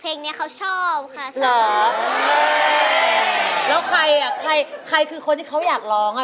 เนี้ยเขาชอบค่ะชอบแล้วใครอ่ะใครใครคือคนที่เขาอยากร้องอ่ะ